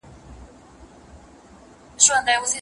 آیا برېښنا تر اور روښانه ده؟